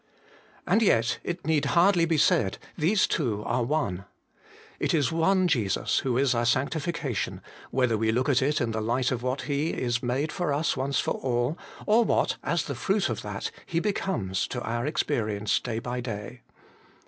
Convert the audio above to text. And yet, it need hardly be said, these two are one. It is one Jesus who is our sanctification, whether we look at it in the light of what He is made for us once for all, or what, as the fruit of that, He becomes to our experience day by day.